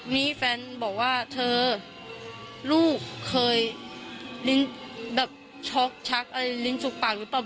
มีแฟนบอกว่าเธอลูกเคยลิ้นแบบช็อกชักอะไรลิ้นจุกปากหรือเปล่า